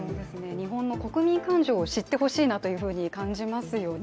日本の国民感情を知ってほしいなと感じますよね。